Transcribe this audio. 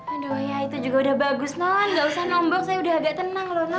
aduh ya itu juga udah bagus non gak usah nombok saya udah agak tenang loh non